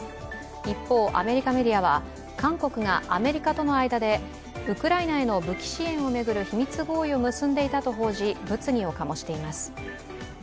一方、アメリカメディアは韓国がアメリカとの間でウクライナへの武器支援を巡る秘密合意を結んでいたと報じ、物議を醸しています。